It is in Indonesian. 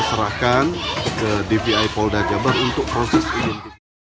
kita serahkan ke dpi polda jabar untuk proses ini